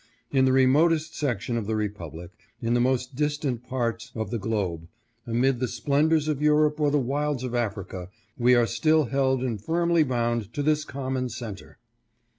In the remotest section of the republic, in the most distant parts of the globe, amid the splendors of Europe or the wilds of Africa, we are still held and firmly bound to this com mon center.